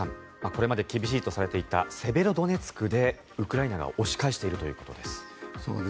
これまで厳しいとされていたセベロドネツクでウクライナが押し返しているということです。